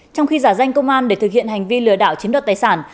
trong khi giả danh công an để thực hiện hành vi lừa đảo chiếm đoạt tài sản